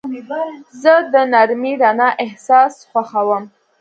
زه د نرمې رڼا احساس خوښوم.